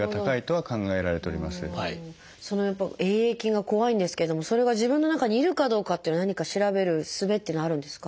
Ａ．ａ．菌が怖いんですけれどもそれが自分の中にいるかどうかっていうのを何か調べる術っていうのはあるんですか？